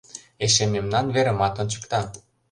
Эше мемнан верымат ончыкта.